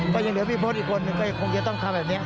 ก็ยังเหลือพี่พศอีกคนหนึ่งก็คงจะต้องทำแบบนี้